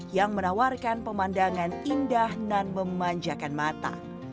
yang menawarkan pemandangan indah dan memanjakan mata